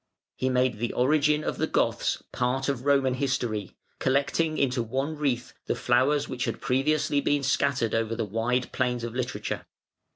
He made the origin of the Goths part of Roman history, collecting into one wreath the flowers which had previously been scattered over the wide plains of literature.